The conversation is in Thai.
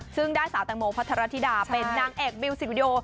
ซึ่งได้สาวแตงโมพัทรธิดาเป็นนางเอกมิวสิกวิดีโอ